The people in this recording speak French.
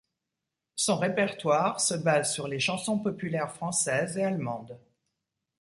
Son répertoire se base sur les chansons populaires françaises et Allemandes.